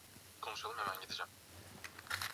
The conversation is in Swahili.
ambayo ilibainisha zifuatazo masharti yafuatayo